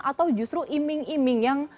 atau justru iming iming yang